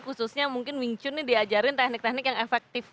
khususnya mungkin wing chun nih diajarin teknik teknik yang efektif